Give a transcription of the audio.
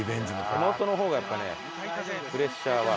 地元の方がやっぱねプレッシャーは。